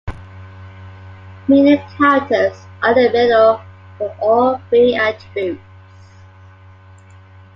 Medium characters are in the middle for all three attributes.